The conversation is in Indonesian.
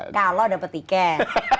kalau dapet tiket